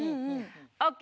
ＯＫ